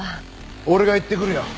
俺が行ってくるよ。